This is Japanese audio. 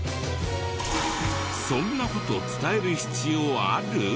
そんな事伝える必要ある？